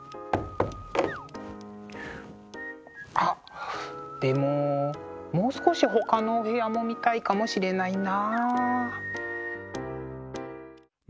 あっでももう少しほかのお部屋も見たいかもしれないな。